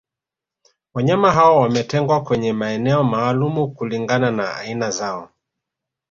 Wanyama hao wametengwa kwenye maeneo maalumu kulingana na aina zao